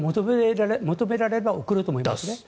求められれば送ると思います。